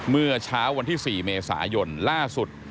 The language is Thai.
เมื่อเช้าวันที่๔เมษายนล่าสุด